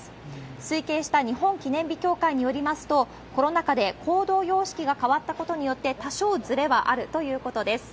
推計した日本記念日協会によりますと、コロナ禍で行動様式が変わったことによって多少ずれはあるということです。